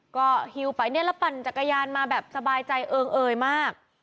ก็ฮิวไปเนี่ยแล้วปั่นจักรยานมาแบบสบายใจเอิงเอยมาก